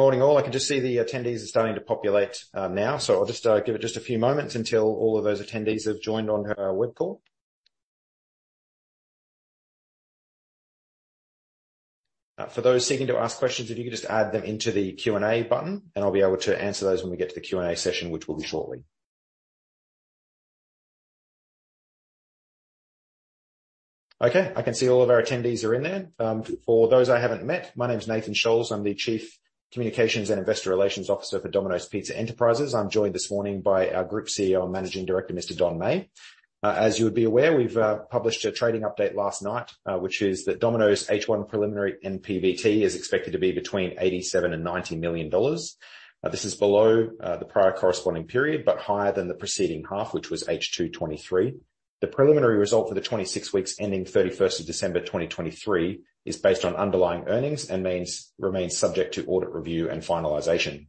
Morning, all. I can just see the attendees are starting to populate now, so I'll just give it just a few moments until all of those attendees have joined on our web call. For those seeking to ask questions, if you could just add them into the Q&A button, and I'll be able to answer those when we get to the Q&A session, which will be shortly. Okay, I can see all of our attendees are in there. For those I haven't met, my name is Nathan Scholz. I'm the Chief Communications and Investor Relations Officer for Domino's Pizza Enterprises. I'm joined this morning by our Group CEO and Managing Director, Mr. Don Meij. As you would be aware, we've published a trading update last night, which is that Domino's H1 preliminary NPBT is expected to be between 87 million and 90 million dollars. This is below the prior corresponding period, but higher than the preceding half, which was H2 2023. The preliminary result for the 26 weeks ending 31st of December 2023 is based on underlying earnings and means remains subject to audit, review, and finalization.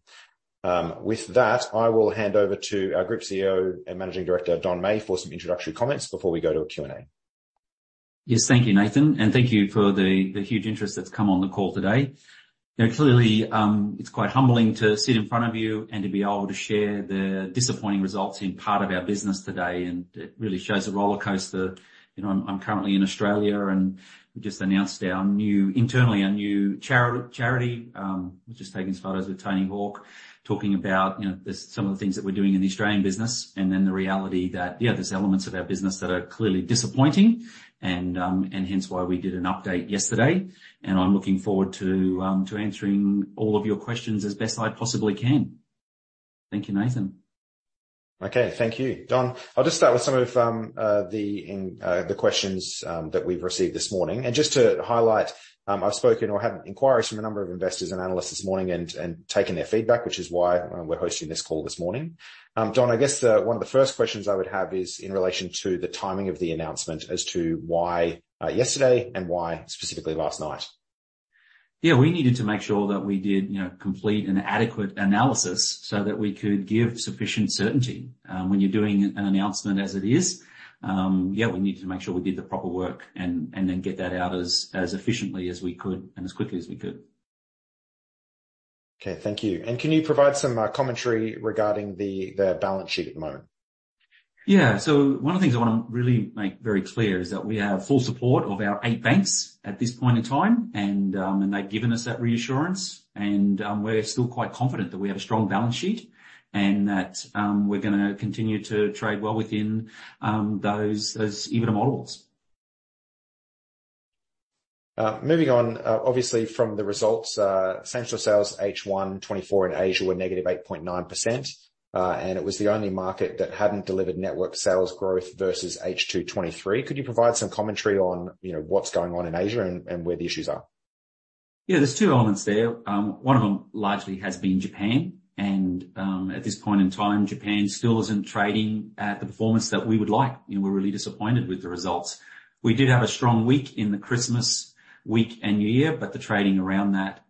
With that, I will hand over to our Group CEO and Managing Director, Don Meij, for some introductory comments before we go to a Q&A. Yes, thank you, Nathan, and thank you for the huge interest that's come on the call today. You know, clearly, it's quite humbling to sit in front of you and to be able to share the disappointing results in part of our business today, and it really shows the rollercoaster. You know, I'm currently in Australia, and we just announced our new charity. Was just taking photos with Tony Hawk, talking about, you know, some of the things that we're doing in the Australian business, and then the reality that, yeah, there's elements of our business that are clearly disappointing and hence why we did an update yesterday, and I'm looking forward to answering all of your questions as best I possibly can. Thank you, Nathan. Okay, thank you, Don. I'll just start with some of the questions that we've received this morning. Just to highlight, I've spoken or had inquiries from a number of investors and analysts this morning and taken their feedback, which is why we're hosting this call this morning. Don, I guess one of the first questions I would have is in relation to the timing of the announcement as to why yesterday and why specifically last night? Yeah, we needed to make sure that we did, you know, complete and adequate analysis so that we could give sufficient certainty. When you're doing an announcement as it is, yeah, we needed to make sure we did the proper work and then get that out as efficiently as we could and as quickly as we could. Okay, thank you. Can you provide some commentary regarding the balance sheet at the moment? Yeah. So one of the things I want to really make very clear is that we have full support of our eight banks at this point in time, and, and they've given us that reassurance, and, we're still quite confident that we have a strong balance sheet and that, we're gonna continue to trade well within, those, those EBITDA models. Moving on, obviously from the results, same-store sales H1 2024 in Asia were -8.9%, and it was the only market that hadn't delivered network sales growth versus H2 2023. Could you provide some commentary on, you know, what's going on in Asia and, and where the issues are? Yeah, there's two elements there. One of them largely has been Japan, and at this point in time, Japan still isn't trading at the performance that we would like. You know, we're really disappointed with the results. We did have a strong week in the Christmas week and New Year, but the trading around that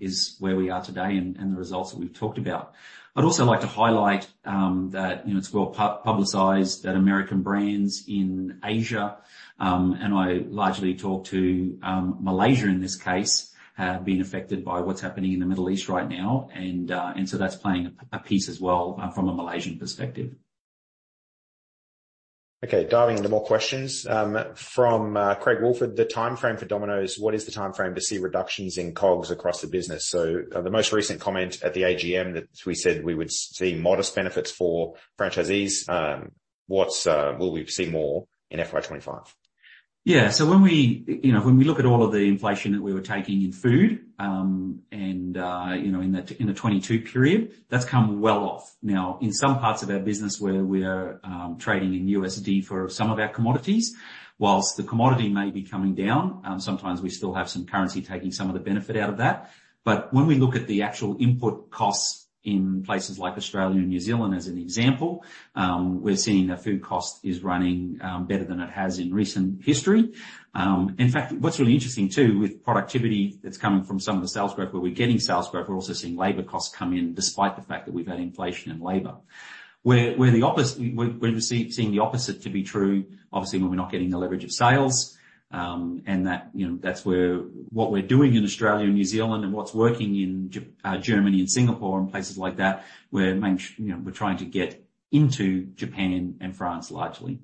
is where we are today and the results that we've talked about. I'd also like to highlight that, you know, it's well publicized that American brands in Asia, and I largely talk to Malaysia in this case, have been affected by what's happening in the Middle East right now. And so that's playing a piece as well from a Malaysian perspective. Okay, diving into more questions, from Craig Woolford: the time frame for Domino's, what is the time frame to see reductions in COGS across the business? So the most recent comment at the AGM that we said we would see modest benefits for franchisees. Will we see more in FY 25? Yeah. So when we, you know, when we look at all of the inflation that we were taking in food, and, you know, in the, in the 2022 period, that's come well off. Now, in some parts of our business where we're trading in USD for some of our commodities, whilst the commodity may be coming down, sometimes we still have some currency taking some of the benefit out of that. But when we look at the actual input costs in places like Australia and New Zealand, as an example, we're seeing that food cost is running better than it has in recent history. In fact, what's really interesting, too, with productivity that's coming from some of the sales growth, where we're getting sales growth, we're also seeing labor costs come in despite the fact that we've had inflation in labor. We're seeing the opposite to be true, obviously, when we're not getting the leverage of sales, and that, you know, that's where what we're doing in Australia and New Zealand and what's working in Japan, Germany and Singapore and places like that, we're making, you know, we're trying to get into Japan and France, largely.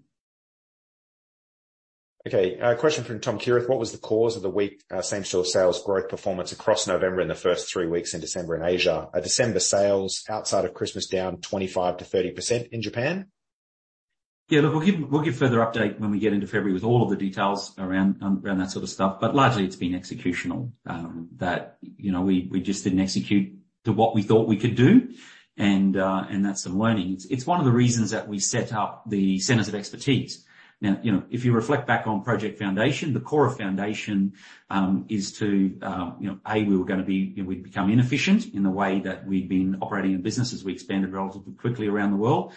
Okay, a question from Tom Kierath: What was the cause of the weak same-store sales growth performance across November and the first three weeks in December in Asia? Are December sales outside of Christmas down 25%-30% in Japan?... Yeah, look, we'll give, we'll give further update when we get into February with all of the details around around that sort of stuff. But largely, it's been executional that, you know, we, we just didn't execute to what we thought we could do, and and that's the learning. It's, it's one of the reasons that we set up the Centres of Expertise. Now, you know, if you reflect back on Project Foundation, the core of foundation is to, you know, A, we were gonna be-- we'd become inefficient in the way that we'd been operating in business as we expanded relatively quickly around the world.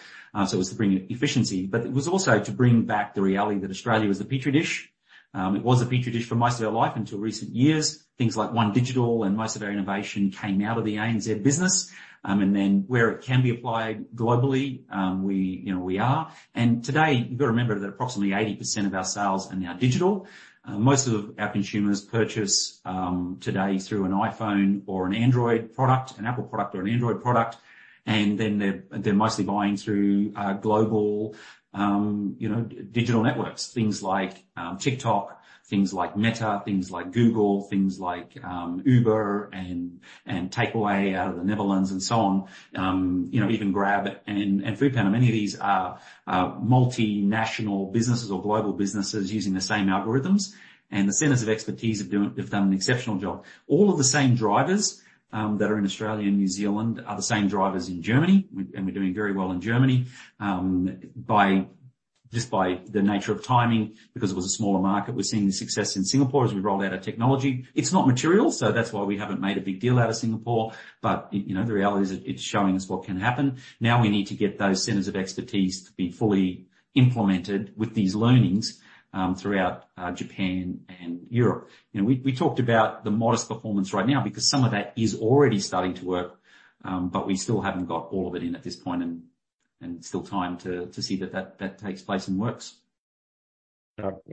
So it was to bring efficiency, but it was also to bring back the reality that Australia was a petri dish. It was a petri dish for most of our life until recent years. Things like One Digital and most of our innovation came out of the ANZ business. And then where it can be applied globally, we, you know, we are. And today, you've got to remember that approximately 80% of our sales are now digital. Most of our consumers purchase today through an iPhone or an Android product, an Apple product or an Android product, and then they're, they're mostly buying through global, you know, digital networks, things like TikTok, things like Meta, things like Google, things like Uber and Takeaway out of the Netherlands and so on, you know, even Grab and Foodpanda. Many of these are multinational businesses or global businesses using the same algorithms, and the Centres of Expertise have done an exceptional job. All of the same drivers that are in Australia and New Zealand are the same drivers in Germany, and we're doing very well in Germany. Just by the nature of timing, because it was a smaller market, we're seeing success in Singapore as we rolled out our technology. It's not material, so that's why we haven't made a big deal out of Singapore. But, you know, the reality is it's showing us what can happen. Now, we need to get those Centres of Expertise to be fully implemented with these learnings throughout Japan and Europe. You know, we talked about the modest performance right now because some of that is already starting to work, but we still haven't got all of it in at this point, and still time to see that takes place and works.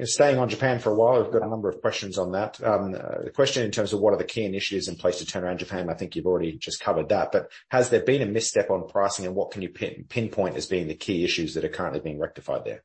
Staying on Japan for a while, we've got a number of questions on that. The question in terms of what are the key initiatives in place to turn around Japan, I think you've already just covered that. But has there been a misstep on pricing, and what can you pinpoint as being the key issues that are currently being rectified there?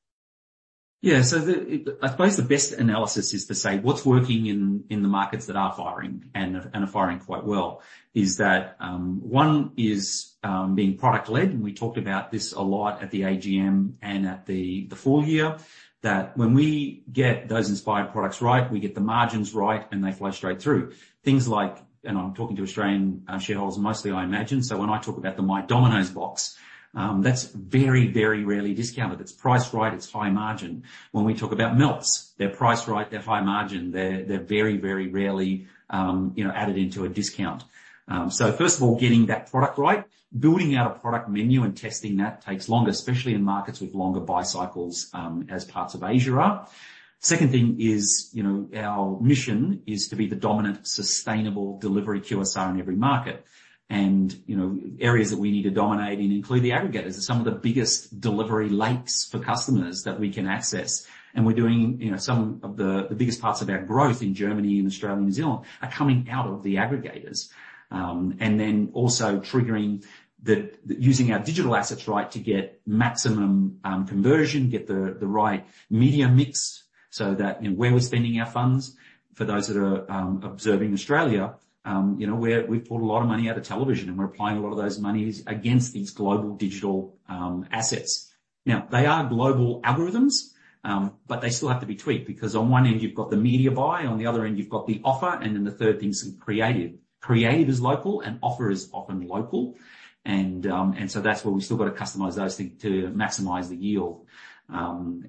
Yeah. So the best analysis is to say, what's working in the markets that are firing and are firing quite well, is that one is being product led, and we talked about this a lot at the AGM and at the full year, that when we get those inspired products right, we get the margins right, and they flow straight through. Things like... And I'm talking to Australian shareholders mostly, I imagine. So when I talk about the My Domino's Box, that's very, very rarely discounted. It's priced right, it's high margin. When we talk about Melts, they're priced right, they're high margin. They're very, very rarely, you know, added into a discount. So first of all, getting that product right, building out a product menu and testing that takes longer, especially in markets with longer buy cycles, as parts of Asia are. Second thing is, you know, our mission is to be the dominant, sustainable delivery QSR in every market. And, you know, areas that we need to dominate in include the aggregators. They're some of the biggest delivery lakes for customers that we can access, and we're doing, you know, some of the, the biggest parts of our growth in Germany and Australia and New Zealand are coming out of the aggregators. And then also triggering the, using our digital assets right to get maximum, conversion, get the, the right media mix so that, you know, where we're spending our funds. For those that are observing Australia, you know, we've pulled a lot of money out of television, and we're applying a lot of those monies against these global digital assets. Now, they are global algorithms, but they still have to be tweaked, because on one end, you've got the media buy, on the other end you've got the offer, and then the third thing is creative. Creative is local and offer is often local. And so that's where we've still got to customize those things to maximize the yield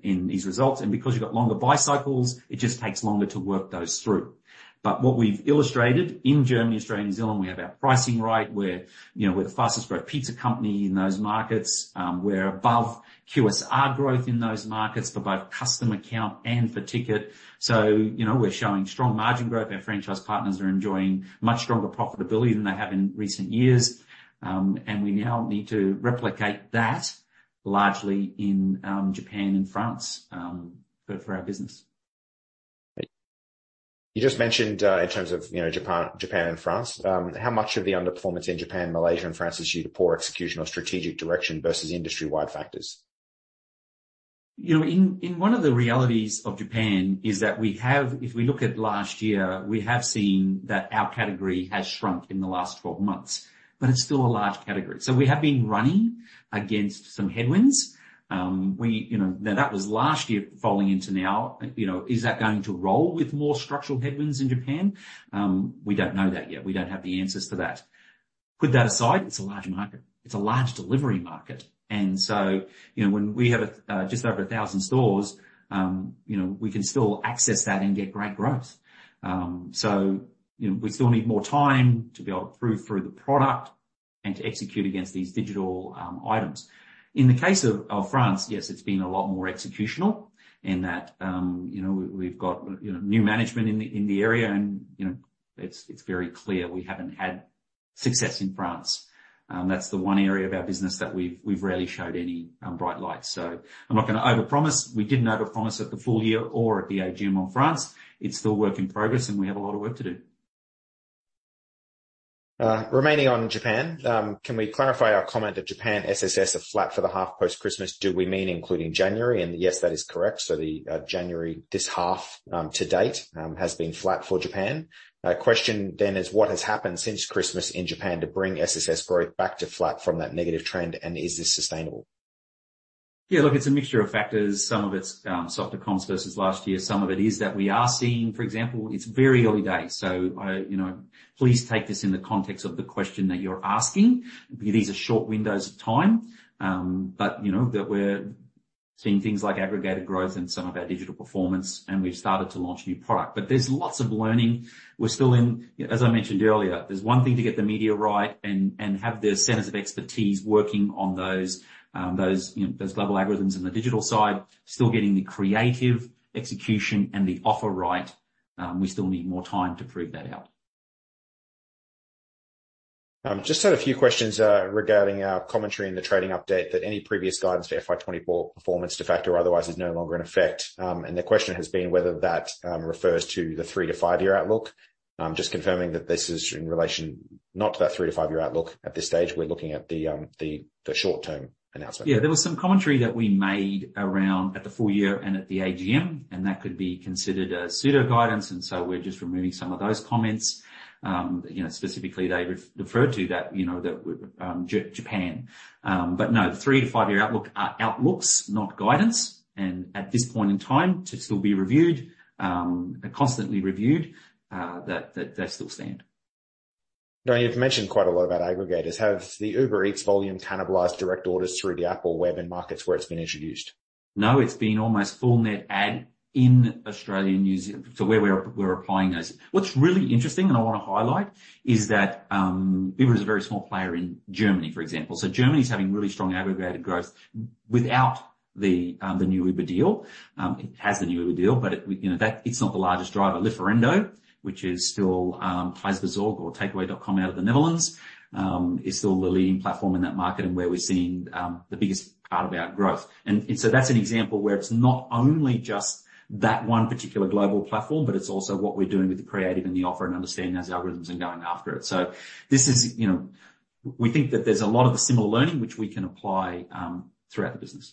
in these results. And because you've got longer buy cycles, it just takes longer to work those through. But what we've illustrated in Germany, Australia, New Zealand, we have our pricing right. We're, you know, we're the fastest growing pizza company in those markets. We're above QSR growth in those markets for both custom account and for ticket. So, you know, we're showing strong margin growth. Our franchise partners are enjoying much stronger profitability than they have in recent years. And we now need to replicate that largely in Japan and France for our business. You just mentioned, in terms of, you know, Japan, Japan and France, how much of the underperformance in Japan, Malaysia and France is due to poor execution or strategic direction versus industry-wide factors? You know, in one of the realities of Japan is that we have—if we look at last year, we have seen that our category has shrunk in the last 12 months, but it's still a large category. So we have been running against some headwinds. We, you know, now, that was last year falling into now, you know, is that going to roll with more structural headwinds in Japan? We don't know that yet. We don't have the answers to that. Put that aside, it's a large market. It's a large delivery market. And so, you know, when we have just over 1,000 stores, you know, we can still access that and get great growth. So, you know, we still need more time to be able to prove through the product and to execute against these digital items. In the case of France, yes, it's been a lot more executional in that, you know, we've got new management in the area, and, you know, it's very clear we haven't had success in France. That's the one area of our business that we've rarely showed any bright lights. So I'm not gonna overpromise. We didn't overpromise at the full year or at the AGM on France. It's still a work in progress, and we have a lot of work to do. Remaining on Japan, can we clarify our comment that Japan SSS are flat for the half post-Christmas? Do we mean including January? Yes, that is correct. So the January, this half, to date, has been flat for Japan. Question then is, what has happened since Christmas in Japan to bring SSS growth back to flat from that negative trend, and is this sustainable? ... Yeah, look, it's a mixture of factors. Some of it's softer comps versus last year. Some of it is that we are seeing, for example, it's very early days, so I, you know, please take this in the context of the question that you're asking, because these are short windows of time. But, you know, that we're seeing things like aggregator growth in some of our digital performance, and we've started to launch new product. But there's lots of learning. We're still in. As I mentioned earlier, there's one thing to get the media right and have the Centres of Expertise working on those, you know, those global algorithms in the digital side. Still getting the creative execution and the offer right, we still need more time to prove that out. Just had a few questions regarding our commentary in the trading update, that any previous guidance for FY 2024 performance, de facto or otherwise, is no longer in effect. The question has been whether that refers to the 3-5-year outlook. Just confirming that this is in relation not to that 3-5-year outlook. At this stage, we're looking at the short-term announcement. Yeah, there was some commentary that we made around at the full year and at the AGM, and that could be considered as pseudo guidance, and so we're just removing some of those comments. You know, specifically, they referred to that, you know, that Japan. But no, the 3-5-year outlook are outlooks, not guidance, and at this point in time, to still be reviewed, and constantly reviewed, that they still stand. Now, you've mentioned quite a lot about aggregators. Have the Uber Eats volume cannibalized direct orders through the app or web in markets where it's been introduced? No, it's been almost full net ad in Australia and New Zealand. So where we're applying those. What's really interesting, and I want to highlight, is that Uber is a very small player in Germany, for example. So Germany is having really strong aggregator growth without the new Uber deal. It has the new Uber deal, but it, you know, that it's not the largest driver. Lieferando, which is still Thuisbezorgd or Takeaway.com out of the Netherlands, is still the leading platform in that market and where we're seeing the biggest part of our growth. And so that's an example where it's not only just that one particular global platform, but it's also what we're doing with the creative and the offer and understanding those algorithms and going after it. So this is, you know, we think that there's a lot of the similar learning which we can apply throughout the business.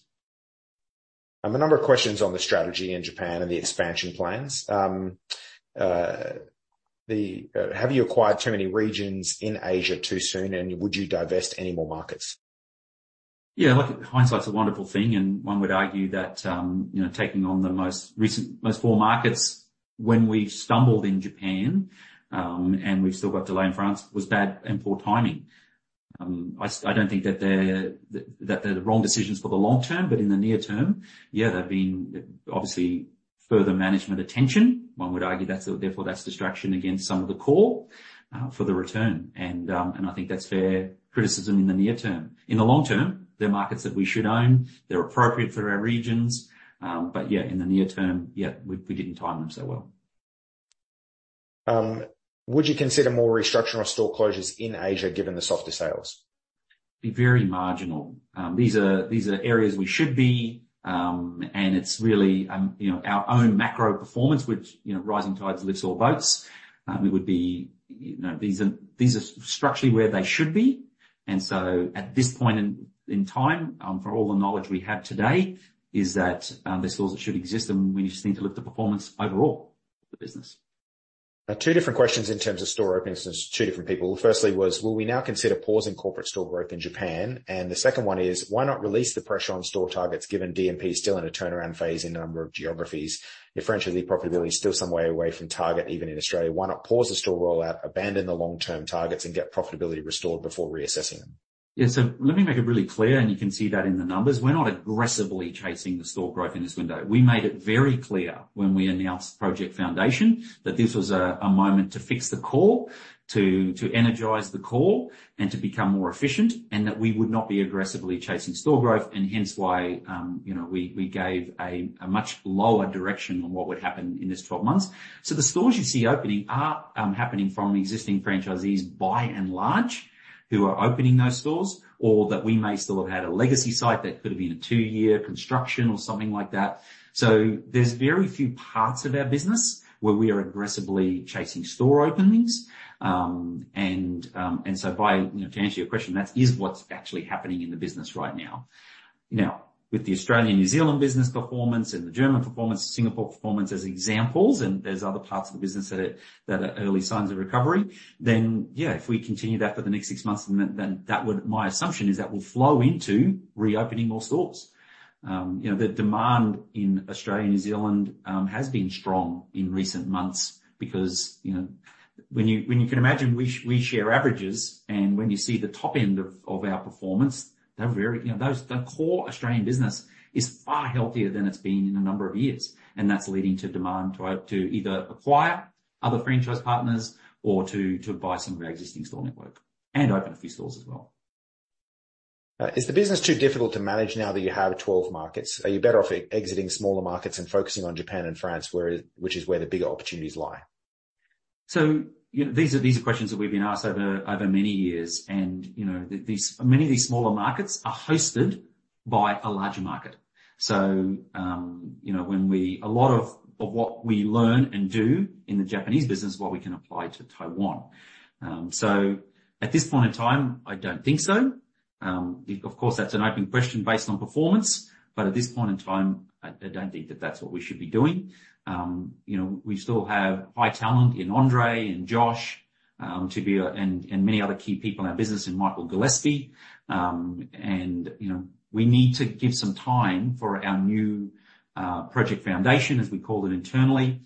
A number of questions on the strategy in Japan and the expansion plans. Have you acquired too many regions in Asia too soon, and would you divest any more markets? Yeah, look, hindsight's a wonderful thing, and one would argue that, you know, taking on the most recent four markets when we stumbled in Japan, and we've still got delay in France, was bad and poor timing. I don't think that they're, that they're the wrong decisions for the long term, but in the near term, yeah, they've been obviously further management attention. One would argue that's, therefore, that's distraction against some of the core for the return, and, and I think that's fair criticism in the near term. In the long term, they're markets that we should own, they're appropriate for our regions, but, yeah, in the near term, yeah, we, we didn't time them so well. Would you consider more restructuring or store closures in Asia, given the softer sales? Be very marginal. These are, these are areas we should be, and it's really, you know, our own macro performance, which, you know, rising tides lifts all boats. It would be, you know, these are, these are structurally where they should be. And so at this point in, in time, for all the knowledge we have today, is that, the stores should exist, and we just need to lift the performance overall of the business. Two different questions in terms of store openings, this is two different people. Firstly, will we now consider pausing corporate store growth in Japan? And the second one is, why not release the pressure on store targets given DMP is still in a turnaround phase in a number of geographies? Your franchisee profitability is still some way away from target, even in Australia. Why not pause the store rollout, abandon the long-term targets, and get profitability restored before reassessing them? Yeah, so let me make it really clear, and you can see that in the numbers. We're not aggressively chasing the store growth in this window. We made it very clear when we announced Project Foundation that this was a moment to fix the core, to energize the core, and to become more efficient, and that we would not be aggressively chasing store growth, and hence why, you know, we gave a much lower direction on what would happen in this 12 months. So the stores you see opening are happening from existing franchisees, by and large, who are opening those stores, or that we may still have had a legacy site that could have been a two-year construction or something like that. So there's very few parts of our business where we are aggressively chasing store openings. To answer your question, that is what's actually happening in the business right now. Now, with the Australia and New Zealand business performance and the German performance, Singapore performance as examples, and there's other parts of the business that are early signs of recovery, then, yeah, if we continue that for the next six months, then that would—my assumption is that will flow into reopening more stores. You know, the demand in Australia and New Zealand has been strong in recent months because, you know, when you can imagine, we share averages, and when you see the top end of our performance, they're very... You know, the core Australian business is far healthier than it's been in a number of years, and that's leading to demand to either acquire other franchise partners or to buy some of our existing store network and open a few stores as well. Is the business too difficult to manage now that you have 12 markets? Are you better off exiting smaller markets and focusing on Japan and France, where, which is where the bigger opportunities lie? So, you know, these are questions that we've been asked over many years. You know, many of these smaller markets are hosted by a larger market. So, you know, a lot of what we learn and do in the Japanese business is what we can apply to Taiwan. So at this point in time, I don't think so. Of course, that's an open question based on performance, but at this point in time, I don't think that that's what we should be doing. You know, we still have high talent in Andre and Josh, Tibia and many other key people in our business, and Michael Gillespie. You know, we need to give some time for our new Project Foundation, as we call it internally,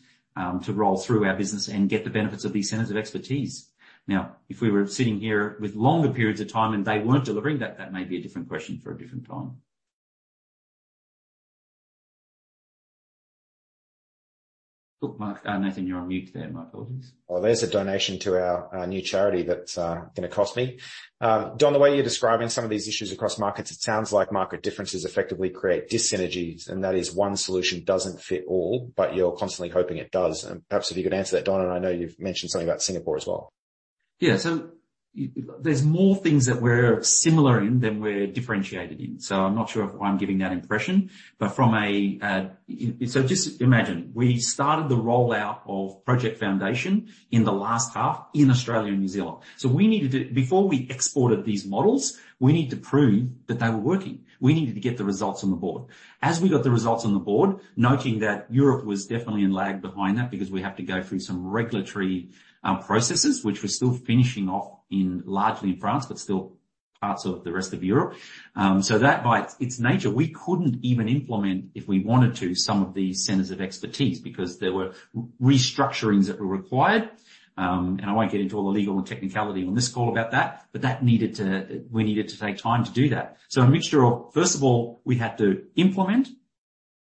to roll through our business and get the benefits of these Centres of Expertise. Now, if we were sitting here with longer periods of time and they weren't delivering, that may be a different question for a different time. Oh, Mark, Nathan, you're on mute there. My apologies. Well, there's a donation to our new charity that's gonna cost me. Don, the way you're describing some of these issues across markets, it sounds like market differences effectively create dyssynergies, and that is one solution doesn't fit all, but you're constantly hoping it does. And perhaps if you could answer that, Don, and I know you've mentioned something about Singapore as well. Yeah. So there's more things that we're similar in than we're differentiated in, so I'm not sure if I'm giving that impression. But from a... So just imagine, we started the rollout of Project Foundation in the last half in Australia and New Zealand. So we needed to—before we exported these models, we need to prove that they were working. We needed to get the results on the board. As we got the results on the board, noting that Europe was definitely in lag behind that because we have to go through some regulatory processes, which we're still finishing off in largely in France, but still parts of the rest of Europe. So that by its nature, we couldn't even implement, if we wanted to, some of these Centres of Expertise, because there were restructurings that were required. And I won't get into all the legal and technicality on this call about that, but that needed to—we needed to take time to do that. So a mixture of, first of all, we had to implement,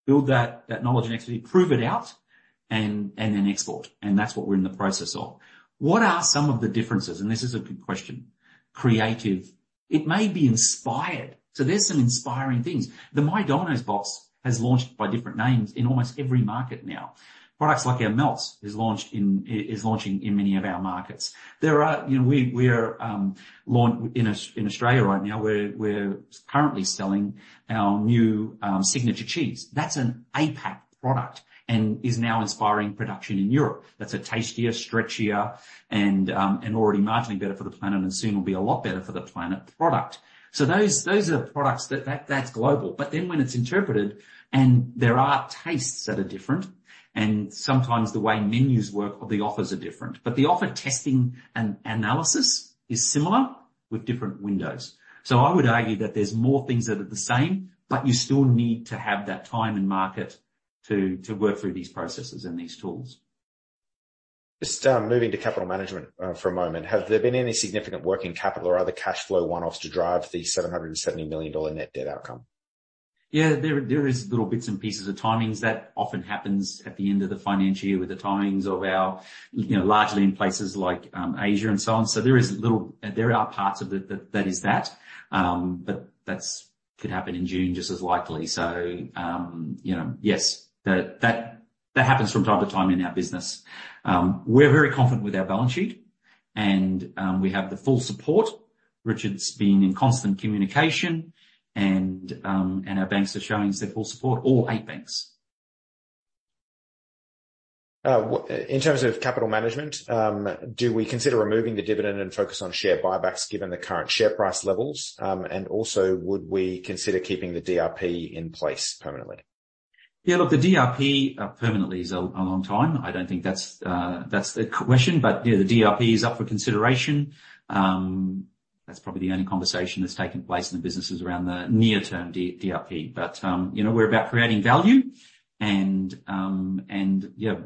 build that knowledge and execute, prove it out, and then export. And that's what we're in the process of. What are some of the differences? And this is a good question. Creative. It may be inspired, so there's some inspiring things. The My Domino's Box has launched by different names in almost every market now. Products like our Melts are launching in many of our markets. There are, you know, we're launching in Australia right now, we're currently selling our new Signature Cheese. That's an APAC product and is now inspiring production in Europe. That's a tastier, stretchier, and already marginally better for the planet, and soon will be a lot better for the planet product. So those are products that that's global. But then when it's interpreted and there are tastes that are different, and sometimes the way menus work or the offers are different, but the offer testing and analysis is similar with different windows. So I would argue that there's more things that are the same, but you still need to have that time and market to work through these processes and these tools. Just, moving to capital management, for a moment. Have there been any significant working capital or other cash flow one-offs to drive the 770 million dollar net debt outcome? Yeah, there is little bits and pieces of timings that often happens at the end of the financial year with the timings of our, you know, largely in places like, Asia and so on. So there are parts of it that is that, but that's could happen in June just as likely. So, you know, yes, that happens from time to time in our business. We're very confident with our balance sheet, and we have the full support. Richard's been in constant communication, and our banks are showing their full support, all eight banks. In terms of capital management, do we consider removing the dividend and focus on share buybacks given the current share price levels? And also, would we consider keeping the DRP in place permanently? Yeah, look, the DRP permanently is a long time. I don't think that's the question, but yeah, the DRP is up for consideration. That's probably the only conversation that's taken place in the businesses around the near-term DRP. But you know, we're about creating value, and yeah,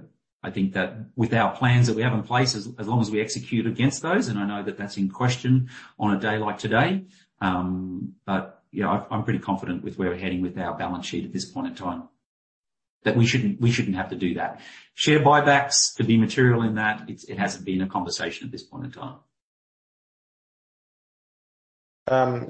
I think that with our plans that we have in place, as long as we execute against those, and I know that that's in question on a day like today, but you know, I'm pretty confident with where we're heading with our balance sheet at this point in time, that we shouldn't have to do that. Share buybacks could be material in that. It hasn't been a conversation at this point in time.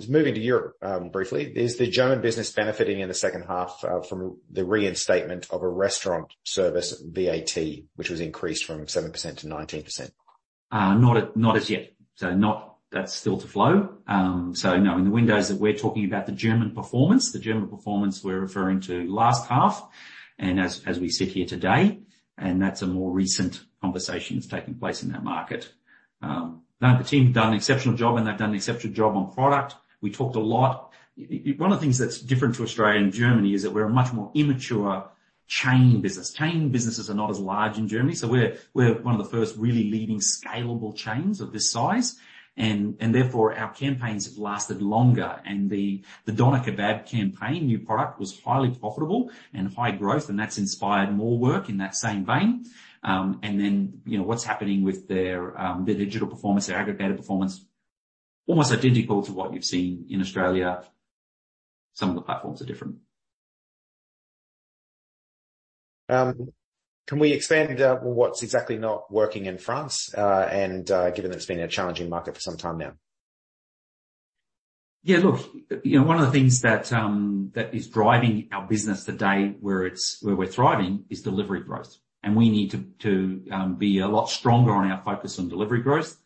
Moving to Europe, briefly, is the German business benefiting in the second half from the reinstatement of a restaurant service VAT, which was increased from 7% to 19%? Not, not as yet. So not. That's still to flow. So, no, in the windows that we're talking about, the German performance, the German performance we're referring to last half and as we sit here today, and that's a more recent conversation that's taking place in that market. Now the team have done an exceptional job, and they've done an exceptional job on product. We talked a lot. One of the things that's different to Australia and Germany is that we're a much more immature chain business. Chain businesses are not as large in Germany, so we're, we're one of the first really leading scalable chains of this size, and, and therefore, our campaigns have lasted longer. And the, the Doner Kebab campaign, new product, was highly profitable and high growth, and that's inspired more work in that same vein. And then, you know, what's happening with their, their digital performance, their aggregator performance, almost identical to what you've seen in Australia. Some of the platforms are different. Can we expand what's exactly not working in France and given that it's been a challenging market for some time now? Yeah, look, you know, one of the things that that is driving our business today, where it's where we're thriving, is delivery growth. And we need to be a lot stronger on our focus on delivery growth.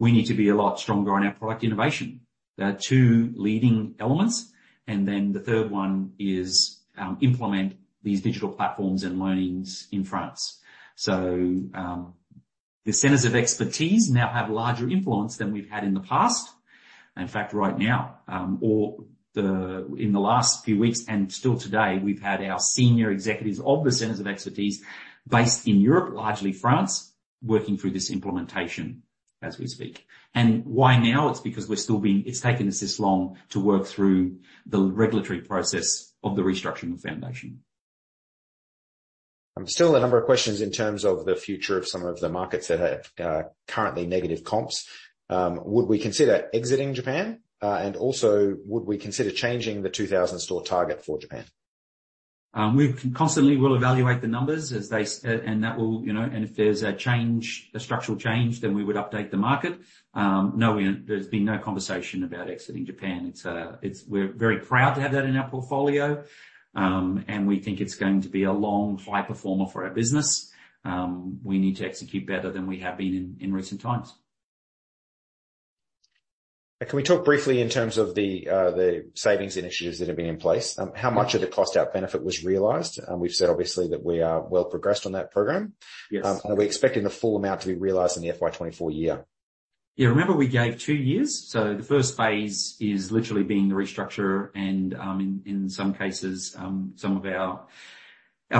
We need to be a lot stronger on our product innovation. There are two leading elements, and then the third one is implement these digital platforms and learnings in France. So, the Centres of Expertise now have larger influence than we've had in the past. In fact, right now, or in the last few weeks and still today, we've had our senior executives of the Centres of Expertise based in Europe, largely France, working through this implementation as we speak. And why now? It's because we're still being. It's taken us this long to work through the regulatory process of the restructuring of Foundation. Still a number of questions in terms of the future of some of the markets that have currently negative comps. Would we consider exiting Japan? And also, would we consider changing the 2000 store target for Japan? We constantly will evaluate the numbers as they stand and that will, you know, and if there's a change, a structural change, then we would update the market. No, we, there's been no conversation about exiting Japan. It's, it's— we're very proud to have that in our portfolio, and we think it's going to be a long high performer for our business. We need to execute better than we have been in recent times. Can we talk briefly in terms of the savings initiatives that have been in place? How much of the cost out benefit was realized? We've said obviously that we are well progressed on that program. Yes. Are we expecting the full amount to be realized in the FY 2024 year? Yeah. Remember we gave two years, so the first phase is literally being the restructure, and in some cases, some of our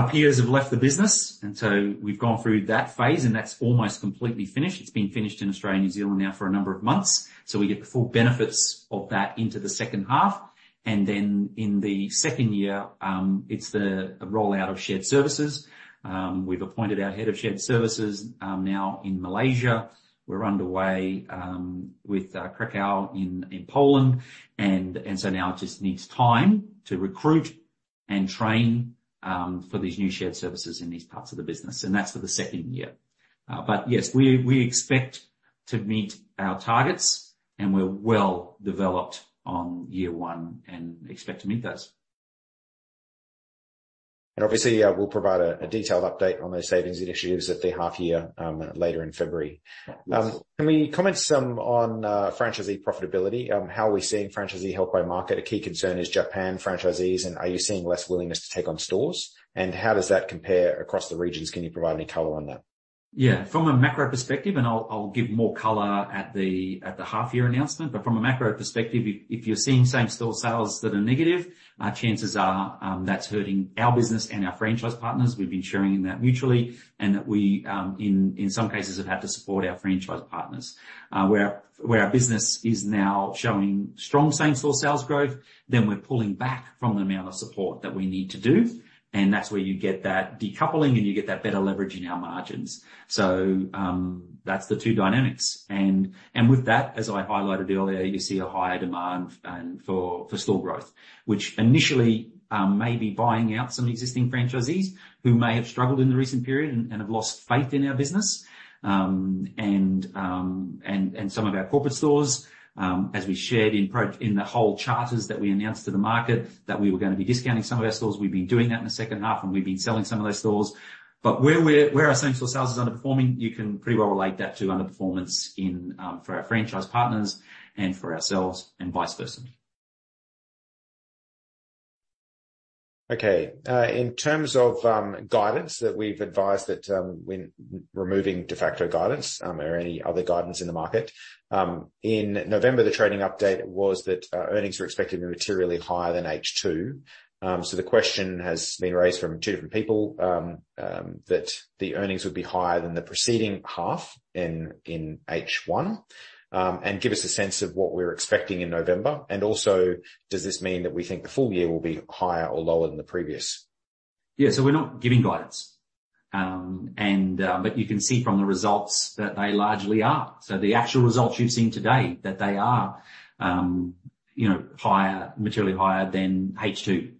peers have left the business, and so we've gone through that phase, and that's almost completely finished. It's been finished in Australia and New Zealand now for a number of months, so we get the full benefits of that into the second half. And then in the second year, it's the rollout of shared services. We've appointed our head of shared services now in Malaysia. We're underway with Krakow in Poland, and so now it just needs time to recruit and train for these new shared services in these parts of the business, and that's for the second year. But yes, we expect to meet our targets, and we're well developed on year one and expect to meet those. Obviously, we'll provide a detailed update on those savings initiatives at the half year, later in February. Yes. Can we comment some on franchisee profitability? How are we seeing franchisee health by market? A key concern is Japan franchisees, and are you seeing less willingness to take on stores, and how does that compare across the regions? Can you provide any color on that? Yeah. From a macro perspective, and I'll give more color at the half-year announcement, but from a macro perspective, if you're seeing same-store sales that are negative, chances are that's hurting our business and our franchise partners. We've been sharing in that mutually, and that we in some cases have had to support our franchise partners. Where our business is now showing strong same-store sales growth, then we're pulling back from the amount of support that we need to do, and that's where you get that decoupling, and you get that better leverage in our margins. So, that's the two dynamics. With that, as I highlighted earlier, you see a higher demand for store growth, which initially may be buying out some existing franchisees who may have struggled in the recent period and have lost faith in our business. Some of our corporate stores, as we shared in the whole charters that we announced to the market that we were going to be discounting some of our stores. We've been doing that in the second half, and we've been selling some of those stores. But where our same-store sales is underperforming, you can pretty well relate that to underperformance in for our franchise partners and for ourselves and vice versa. Okay. In terms of guidance that we've advised that when removing de facto guidance or any other guidance in the market, in November, the trading update was that earnings were expected to be materially higher than H2. So the question has been raised from two different people that the earnings would be higher than the preceding half in H1. And give us a sense of what we're expecting in November, and also, does this mean that we think the full year will be higher or lower than the previous? Yeah. So we're not giving guidance, and but you can see from the results that they largely are. So the actual results you've seen today, that they are, you know, higher, materially higher than H2.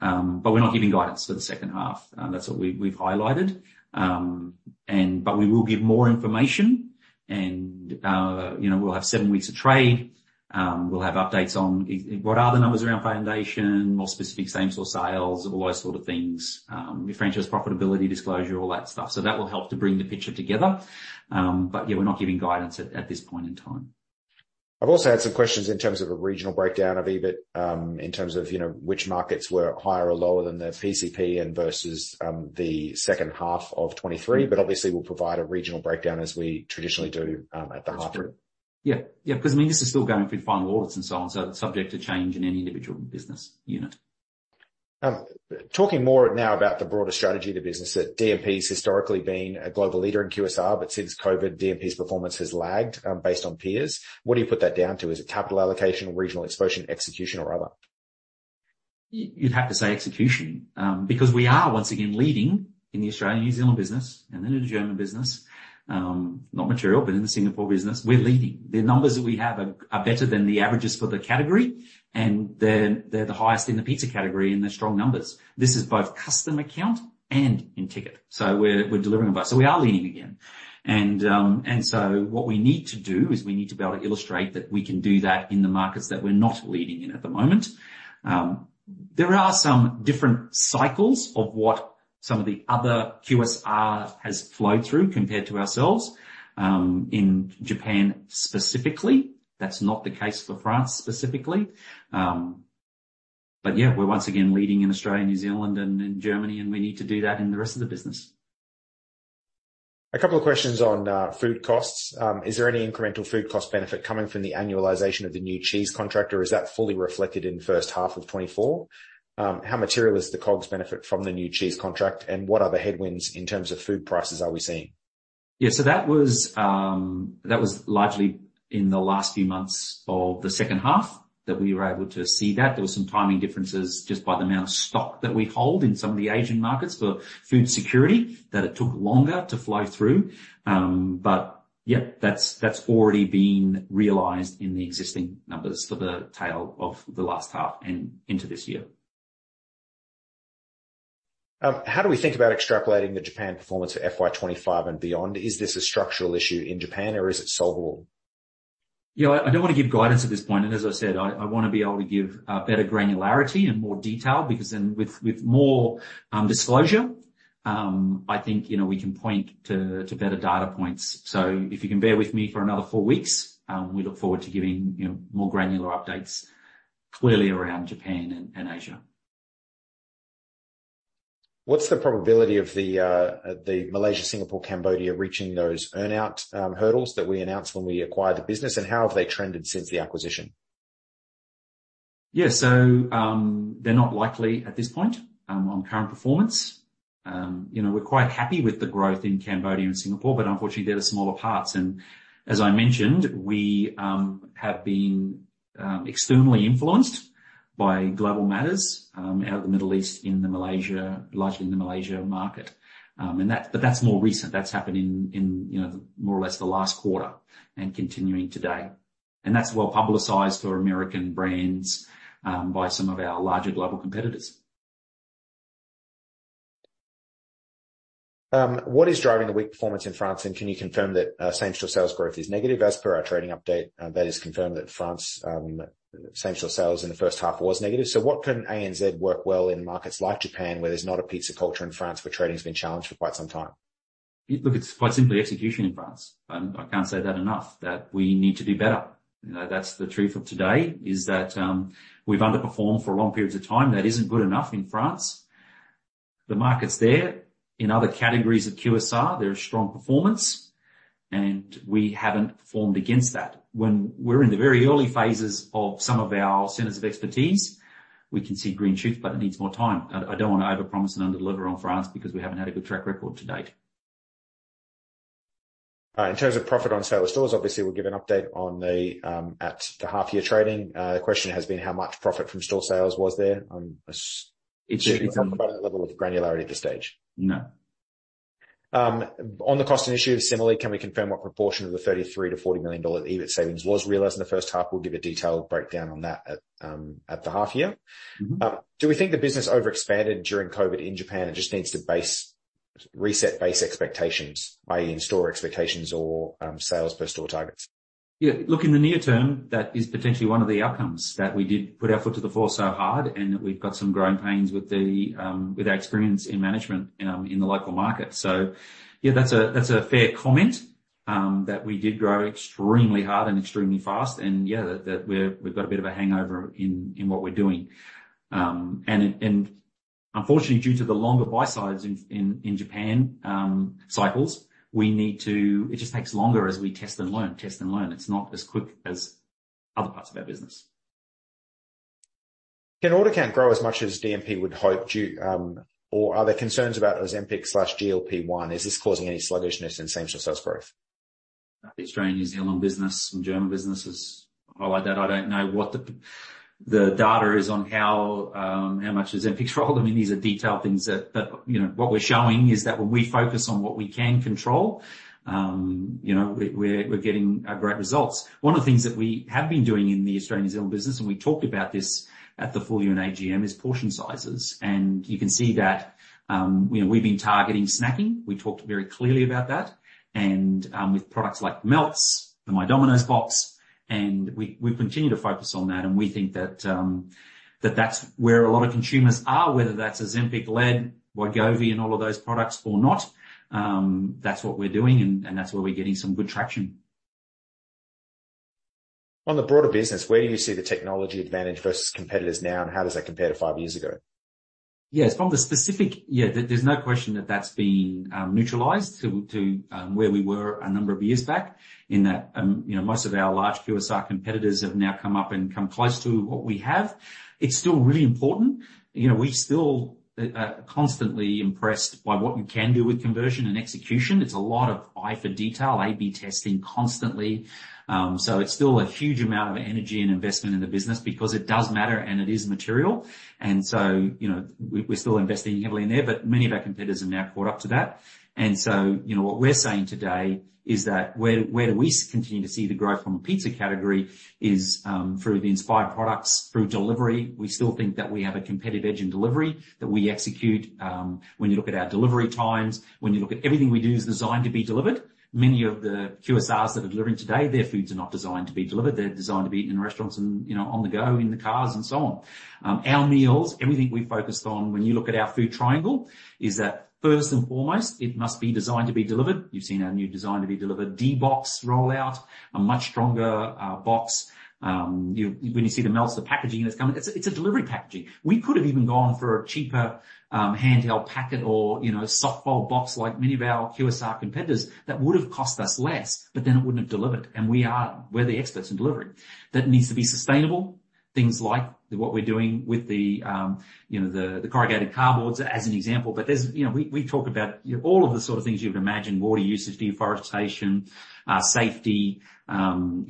But we're not giving guidance for the second half. That's what we've highlighted. And but we will give more information, and you know, we'll have seven weeks of trade. We'll have updates on what are the numbers around Foundation, more specific same-store sales, all those sort of things, the franchise profitability disclosure, all that stuff. So that will help to bring the picture together. But yeah, we're not giving guidance at this point in time. I've also had some questions in terms of a regional breakdown of EBIT, in terms of, you know, which markets were higher or lower than the PCP and versus the second half of 2023, but obviously we'll provide a regional breakdown as we traditionally do at the half period. Yeah. Yeah, because, I mean, this is still going through final audits and so on, so subject to change in any individual business unit. Talking more now about the broader strategy of the business, that DMP's historically been a global leader in QSR, but since COVID, DMP's performance has lagged, based on peers. What do you put that down to? Is it capital allocation, regional exposure, execution or other? You'd have to say execution, because we are once again leading in the Australian, New Zealand business and then in the German business, not material, but in the Singapore business, we're leading. The numbers that we have are better than the averages for the category, and they're the highest in the pizza category, and they're strong numbers. This is both customer count and ticket, so we're delivering them both. So we are leading again. And so what we need to do is we need to be able to illustrate that we can do that in the markets that we're not leading in at the moment. There are some different cycles of what some of the other QSR has flowed through compared to ourselves, in Japan specifically. That's not the case for France specifically. But yeah, we're once again leading in Australia, New Zealand, and in Germany, and we need to do that in the rest of the business. A couple of questions on food costs. Is there any incremental food cost benefit coming from the annualization of the new cheese contract, or is that fully reflected in the first half of 2024? How material is the COGS benefit from the new cheese contract, and what other headwinds in terms of food prices are we seeing?... Yeah, so that was, that was largely in the last few months of the second half, that we were able to see that. There were some timing differences just by the amount of stock that we hold in some of the Asian markets for food security, that it took longer to flow through. But yep, that's, that's already been realized in the existing numbers for the tail of the last half and into this year. How do we think about extrapolating the Japan performance for FY 25 and beyond? Is this a structural issue in Japan or is it solvable? Yeah, I don't want to give guidance at this point, and as I said, I wanna be able to give better granularity and more detail, because then with more disclosure, I think, you know, we can point to better data points. So if you can bear with me for another four weeks, we look forward to giving, you know, more granular updates clearly around Japan and Asia. What's the probability of the Malaysia, Singapore, Cambodia reaching those earn-out hurdles that we announced when we acquired the business, and how have they trended since the acquisition? Yeah, so, they're not likely at this point, on current performance. You know, we're quite happy with the growth in Cambodia and Singapore, but unfortunately, they're the smaller parts. And as I mentioned, we have been externally influenced by global matters out of the Middle East, in the Malaysia – largely in the Malaysia market. And that – but that's more recent. That's happened in, you know, more or less the last quarter and continuing today, and that's well-publicized for American brands by some of our larger global competitors. What is driving the weak performance in France, and can you confirm that same-store sales growth is negative as per our trading update? That is confirmed that France same-store sales in the first half was negative. So what can ANZ work well in markets like Japan, where there's not a pizza culture in France, where trading has been challenged for quite some time? Look, it's quite simply execution in France, and I can't say that enough, that we need to do better. You know, that's the truth of today, is that, we've underperformed for long periods of time. That isn't good enough in France. The market's there. In other categories of QSR, there are strong performance, and we haven't performed against that. When we're in the very early phases of some of our Centres of Expertise, we can see green shoots, but it needs more time. I don't want to overpromise and underdeliver on France because we haven't had a good track record to date. In terms of profit on store sales, obviously, we'll give an update at the half-year trading. The question has been: How much profit from store sales was there on a- It's- Level of granularity at this stage? No. On the cost initiative, similarly, can we confirm what proportion of the $33 million-$40 million EBIT savings was realized in the first half? We'll give a detailed breakdown on that at the half year. Mm-hmm. Do we think the business overexpanded during COVID in Japan and just needs to reset base expectations, i.e., in-store expectations or sales per store targets? Yeah, look, in the near term, that is potentially one of the outcomes that we did put our foot to the floor so hard and that we've got some growing pains with our experience in management in the local market. So yeah, that's a fair comment that we did grow extremely hard and extremely fast. And yeah, that we've got a bit of a hangover in what we're doing. And unfortunately, due to the longer buy sides in Japan cycles, it just takes longer as we test and learn, test and learn. It's not as quick as other parts of our business. Can OrderCan grow as much as DMP would hope due... or are there concerns about Ozempic/GLP-1? Is this causing any sluggishness in same store sales growth? The Australian, New Zealand business and German businesses, I like that. I don't know what the data is on how much Ozempic's rolled. I mean, these are detailed things that, you know, what we're showing is that when we focus on what we can control, you know, we're getting great results. One of the things that we have been doing in the Australian, New Zealand business, and we talked about this at the full year AGM, is portion sizes. And you can see that, you know, we've been targeting snacking. We talked very clearly about that. And with products like Melts, the My Domino's Box, and we continue to focus on that, and we think that that's where a lot of consumers are, whether that's Ozempic led, Wegovy, and all of those products or not. That's what we're doing, and that's where we're getting some good traction. On the broader business, where do you see the technology advantage versus competitors now, and how does that compare to five years ago? Yeah, there's no question that that's been neutralized to where we were a number of years back, in that you know, most of our large QSR competitors have now come up and come close to what we have. It's still really important. You know, we still are constantly impressed by what we can do with conversion and execution. It's a lot of eye for detail, A/B testing constantly. So it's still a huge amount of energy and investment in the business because it does matter, and it is material. So you know, we're still investing heavily in there, but many of our competitors have now caught up to that. And so, you know, what we're saying today is that where do we continue to see the growth from a pizza category is through the inspired products, through delivery. We still think that we have a competitive edge in delivery, that we execute when you look at our delivery times, when you look at everything we do is designed to be delivered. Many of the QSRs that are delivering today, their foods are not designed to be delivered. They're designed to be in restaurants and, you know, on the go in the cars and so on. Our meals, everything we focused on when you look at our food triangle, is that first and foremost, it must be designed to be delivered. You've seen our new design to be delivered D Box rollout, a much stronger box. When you see the Melts, the packaging that's coming, it's a delivery packaging. We could have even gone for a cheaper, handheld packet or, you know, softfold box like many of our QSR competitors. That would have cost us less, but then it wouldn't have delivered, and we're the experts in delivery. That needs to be sustainable? Things like what we're doing with the, you know, corrugated cardboards as an example. But there's, you know, we talk about all of the sort of things you would imagine: water usage, deforestation, safety, you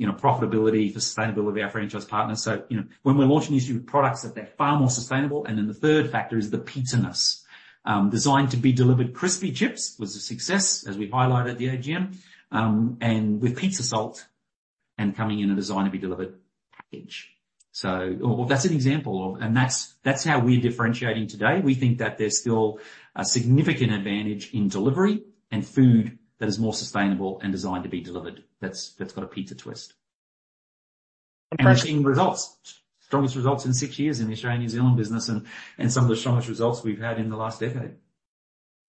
know, profitability, the sustainability of our franchise partners. So, you know, when we're launching these new products, that they're far more sustainable. And then the third factor is the pizzaness. Designed-to-be-delivered Crispy Chips was a success, as we highlighted at the AGM, and with pizza salt and coming in a design-to-be-delivered package. So well, that's an example of—and that's, that's how we're differentiating today. We think that there's still a significant advantage in delivery and food that is more sustainable and designed to be delivered, that's, that's got a pizza twist. And we're seeing results, strongest results in six years in the Australian, New Zealand business and some of the strongest results we've had in the last decade.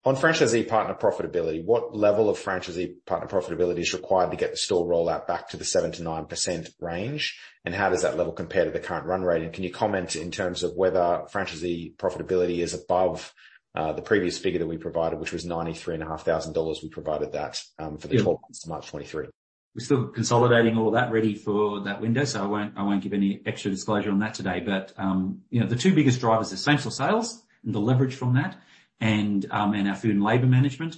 On franchisee partner profitability, what level of franchisee partner profitability is required to get the store rollout back to the 7%-9% range? And how does that level compare to the current run rate? And can you comment in terms of whether franchisee profitability is above, the previous figure that we provided, which was 93,500 dollars? We provided that, for the 12 months to March 2023. We're still consolidating all of that, ready for that window, so I won't, I won't give any extra disclosure on that today. But, you know, the two biggest drivers are essential sales and the leverage from that, and, and our food and labor management.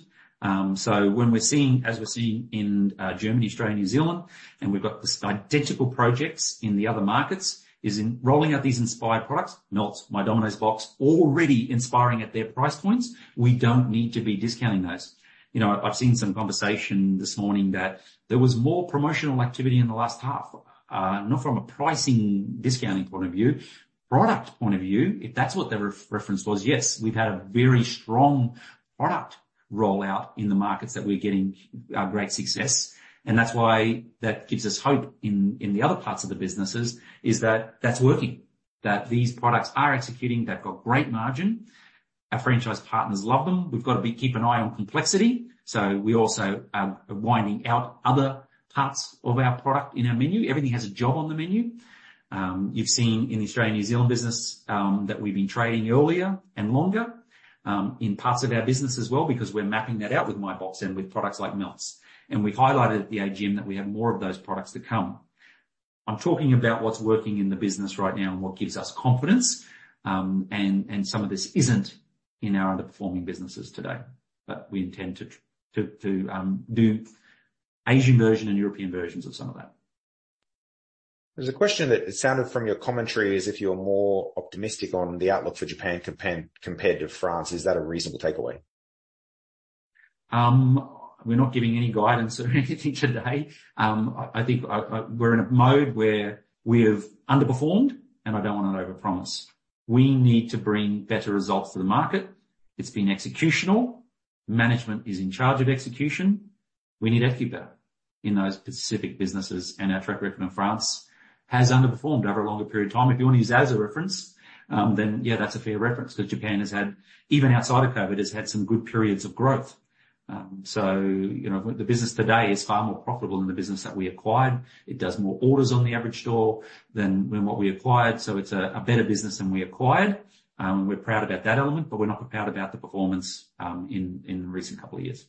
So when we're seeing, as we're seeing in, Germany, Australia, New Zealand, and we've got this identical projects in the other markets, is in rolling out these inspired products, not My Domino's Box, already inspiring at their price points. We don't need to be discounting those. You know, I've seen some conversation this morning that there was more promotional activity in the last half, not from a pricing, discounting point of view, product point of view. If that's what the reference was, yes, we've had a very strong product rollout in the markets that we're getting, great success. And that's why that gives us hope in, in the other parts of the businesses, is that that's working, that these products are executing, they've got great margin. Our franchise partners love them. We've got to be keep an eye on complexity, so we also are winding out other parts of our product in our menu. Everything has a job on the menu. You've seen in the Australian, New Zealand business, that we've been trading earlier and longer, in parts of our business as well, because we're mapping that out with My Box and with products like Knots. And we've highlighted at the AGM that we have more of those products to come. I'm talking about what's working in the business right now and what gives us confidence. Some of this isn't in our underperforming businesses today, but we intend to do Asian version and European versions of some of that. There's a question that it sounded from your commentary as if you're more optimistic on the outlook for Japan compared to France. Is that a reasonable takeaway? We're not giving any guidance or anything today. I think we're in a mode where we have underperformed, and I don't want to overpromise. We need to bring better results to the market. It's been executional. Management is in charge of execution. We need equity better in those specific businesses, and our track record in France has underperformed over a longer period of time. If you want to use that as a reference, then, yeah, that's a fair reference, but Japan has had, even outside of COVID, has had some good periods of growth. So, you know, the business today is far more profitable than the business that we acquired. It does more orders on the average store than when what we acquired, so it's a better business than we acquired. We're proud about that element, but we're not proud about the performance in recent couple of years.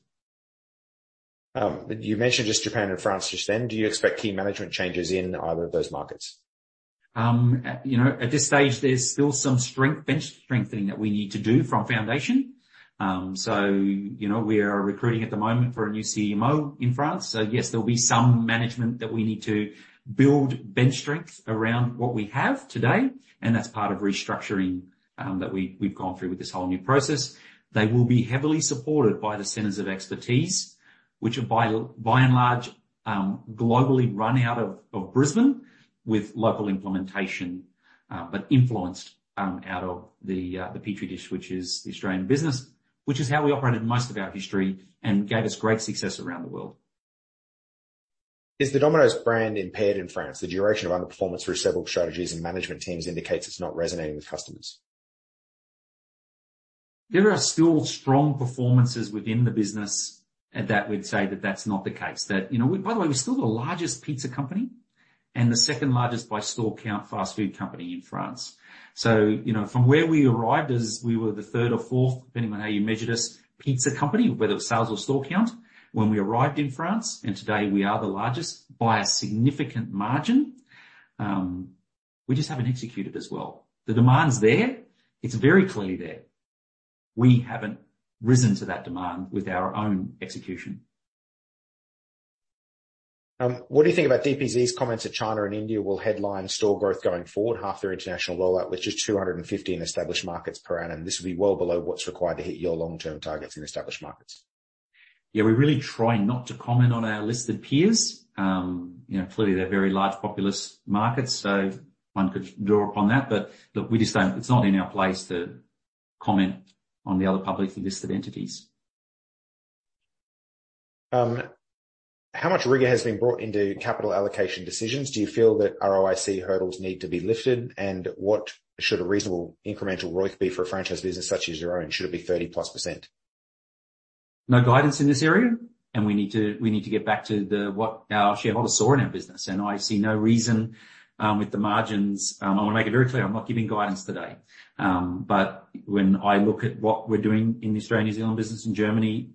You mentioned just Japan and France just then. Do you expect key management changes in either of those markets? You know, at this stage, there's still some bench strengthening that we need to do from foundation. So, you know, we are recruiting at the moment for a new CMO in France. So yes, there'll be some management that we need to build bench strength around what we have today, and that's part of restructuring that we've gone through with this whole new process. They will be heavily supported by the Centres of Expertise, which are by and large globally run out of Brisbane with local implementation, but influenced out of the petri dish, which is the Australian business, which is how we operated most of our history and gave us great success around the world. Is the Domino's brand impaired in France? The duration of underperformance through several strategies and management teams indicates it's not resonating with customers. There are still strong performances within the business, and that we'd say that that's not the case. That, you know, by the way, we're still the largest pizza company and the second largest by store count, fast food company in France. So, you know, from where we arrived, as we were the third or fourth, depending on how you measured us, pizza company, whether it was sales or store count, when we arrived in France, and today we are the largest by a significant margin. We just haven't executed as well. The demand's there. It's very clearly there. We haven't risen to that demand with our own execution. What do you think about DPZ's comments that China and India will headline store growth going forward, half their international rollout, which is 250 in established markets per annum? This will be well below what's required to hit your long-term targets in established markets. Yeah, we really try not to comment on our listed peers. You know, clearly, they're very large populous markets, so one could draw upon that. But, look, we just don't. It's not in our place to comment on the other publicly listed entities. How much rigor has been brought into capital allocation decisions? Do you feel that ROIC hurdles need to be lifted? What should a reasonable incremental ROIC be for a franchise business such as your own? Should it be 30%+? No guidance in this area, and we need to get back to what our shareholders saw in our business. And I see no reason with the margins. I want to make it very clear I'm not giving guidance today. But when I look at what we're doing in the Australian, New Zealand business in Germany,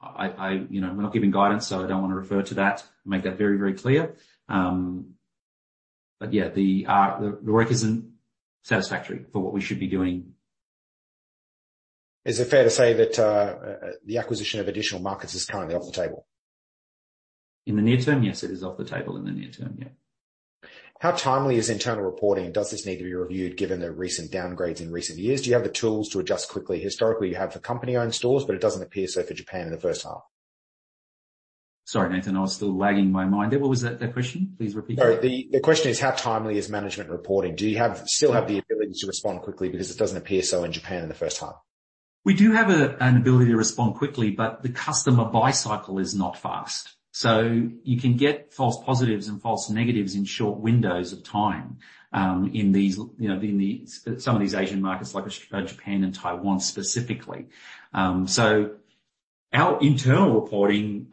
you know, we're not giving guidance, so I don't want to refer to that. Make that very, very clear. But yeah, the work isn't satisfactory for what we should be doing. Is it fair to say that the acquisition of additional markets is currently off the table? In the near term, yes, it is off the table in the near term. Yeah. How timely is internal reporting, and does this need to be reviewed given the recent downgrades in recent years? Do you have the tools to adjust quickly? Historically, you have for company-owned stores, but it doesn't appear so for Japan in the first half. Sorry, Nathan, I was still lagging in my mind there. What was that, that question? Please repeat. Sorry. The question is, how timely is management reporting? Do you still have the ability to respond quickly? Because it doesn't appear so in Japan in the first half. We do have an ability to respond quickly, but the customer buy cycle is not fast. So you can get false positives and false negatives in short windows of time in these, you know, in some of these Asian markets like Japan and Taiwan specifically. So our internal reporting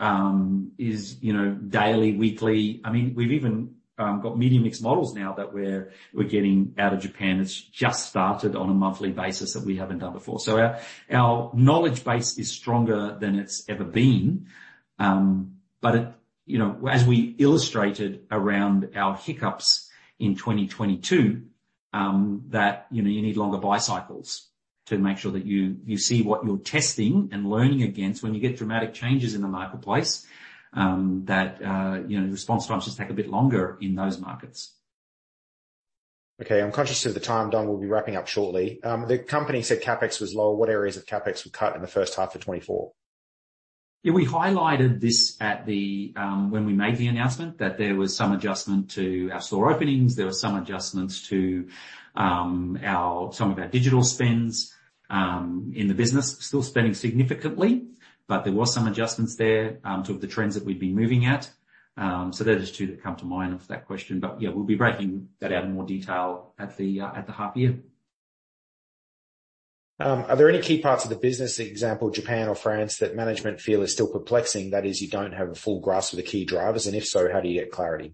is, you know, daily, weekly. I mean, we've even got media mix models now that we're getting out of Japan. It's just started on a monthly basis that we haven't done before. So our knowledge base is stronger than it's ever been. But it... You know, as we illustrated around our hiccups in 2022, you know, you need longer buy cycles to make sure that you see what you're testing and learning against when you get dramatic changes in the marketplace, that you know, response times just take a bit longer in those markets. Okay, I'm conscious of the time, Don. We'll be wrapping up shortly. The company said CapEx was low. What areas of CapEx were cut in the first half of 2024? Yeah, we highlighted this at the when we made the announcement, that there was some adjustment to our store openings. There were some adjustments to some of our digital spends in the business. Still spending significantly, but there were some adjustments there to the trends that we'd been moving at. So those are two that come to mind off that question. But yeah, we'll be breaking that out in more detail at the half year. Are there any key parts of the business, example, Japan or France, that management feel is still perplexing, that is, you don't have a full grasp of the key drivers? And if so, how do you get clarity?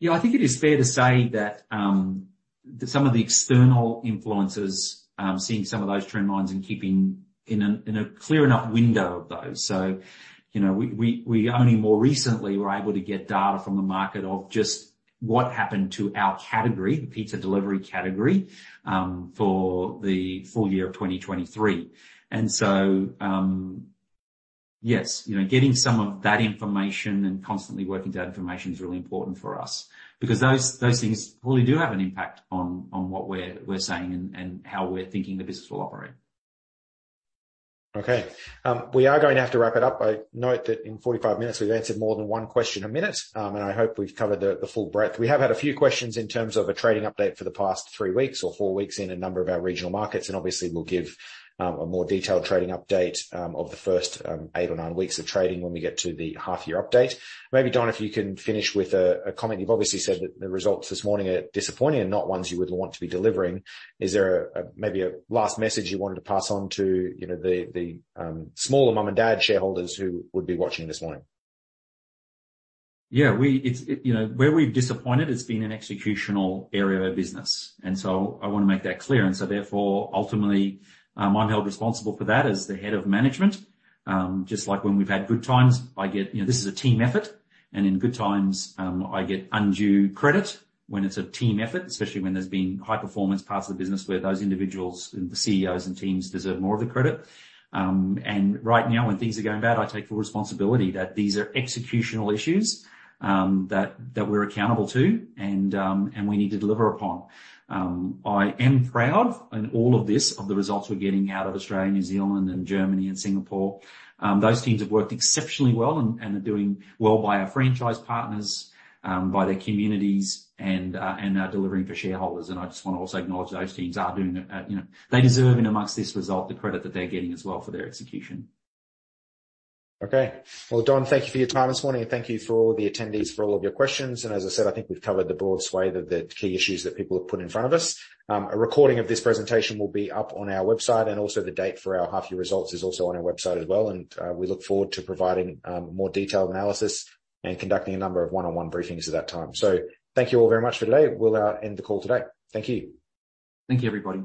Yeah, I think it is fair to say that some of the external influences, seeing some of those trend lines and keeping in a clear enough window of those. So, you know, we only more recently were able to get data from the market of just what happened to our category, the pizza delivery category, for the full year of 2023. And so, yes, you know, getting some of that information and constantly working with that information is really important for us because those things really do have an impact on what we're saying and how we're thinking the business will operate. Okay. We are going to have to wrap it up. I note that in 45 minutes we've answered more than one question a minute, and I hope we've covered the full breadth. We have had a few questions in terms of a trading update for the past 3 weeks or 4 weeks in a number of our regional markets, and obviously, we'll give a more detailed trading update of the first 8 or 9 weeks of trading when we get to the half year update. Maybe, Don, if you can finish with a comment. You've obviously said that the results this morning are disappointing and not ones you would want to be delivering. Is there maybe a last message you wanted to pass on to, you know, the smaller mom and dad shareholders who would be watching this morning? Yeah, it's, you know, where we've disappointed, it's been an executional area of our business, and so I want to make that clear. And so therefore, ultimately, I'm held responsible for that as the head of management. Just like when we've had good times, I get... You know, this is a team effort, and in good times, I get undue credit when it's a team effort, especially when there's been high performance parts of the business where those individuals, the CEOs and teams deserve more of the credit. And right now, when things are going bad, I take full responsibility that these are executional issues, that we're accountable to and we need to deliver upon. I am proud in all of this, of the results we're getting out of Australia, New Zealand and Germany and Singapore. Those teams have worked exceptionally well and are doing well by our franchise partners, by their communities, and are delivering for shareholders. And I just want to also acknowledge those teams are doing, you know, they deserve in amongst this result, the credit that they're getting as well for their execution. Okay. Well, Don, thank you for your time this morning, and thank you for all the attendees for all of your questions. As I said, I think we've covered the broad swath of the key issues that people have put in front of us. A recording of this presentation will be up on our website, and also the date for our half year results is also on our website as well, and we look forward to providing more detailed analysis and conducting a number of one-on-one briefings at that time. So thank you all very much for today. We'll end the call today. Thank you. Thank you, everybody.